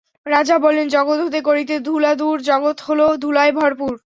রাজা বললেন, জগৎ হতে করিতে ধুলা দূর, জগৎ হলো ধুলায় ভরপুর।